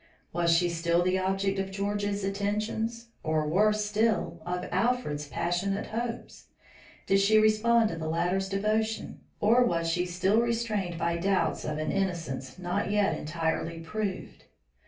Was she still the object of George's attentions or worse still of Alfred's passionate hopes? Did she respond to the latter's devotion, or was she still restrained by doubts of an innocence not yet entirely proved?